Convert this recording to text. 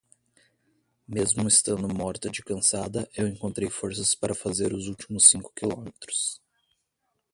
Mesmo estando morta de cansada eu encontrei forças para fazer os últimos cinco quilômetros.